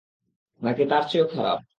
নাকি তার চেয়েও খারাপ?